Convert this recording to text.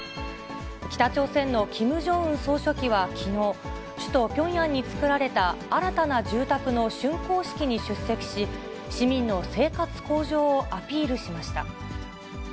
北朝鮮のキム・ジョンウン総書記はきのう、首都ピョンヤンに作られた新たな住宅のしゅんこう式に出席し、市民の生活向上をアピールしました。